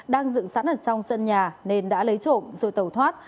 đang dựng sẵn ở trong sân nhà nên đã lấy trộm rồi tẩu thoát